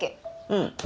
うん。